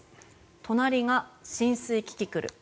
隣が浸水キキクル。